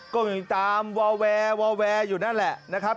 ก็มีตามวาวแวร์อยู่นั่นแหละนะครับ